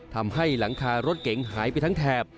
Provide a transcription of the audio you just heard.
ทำให้หลังคารถเก๋งหายไปทั้งแถบ